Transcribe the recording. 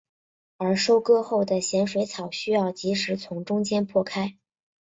而收割后的咸水草需要即时从中间破开。